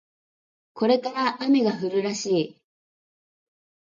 これから雨が降るらしい